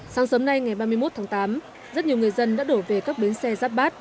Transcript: sáng sớm nay ngày ba mươi một tháng tám rất nhiều người dân đã đổ về các bến xe giáp bát